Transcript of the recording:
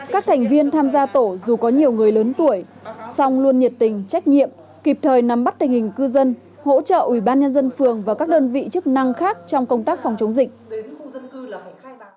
các thành viên tham gia tổ dù có nhiều người lớn tuổi song luôn nhiệt tình trách nhiệm kịp thời nắm bắt tình hình cư dân hỗ trợ ủy ban nhân dân phường và các đơn vị chức năng khác trong công tác phòng chống dịch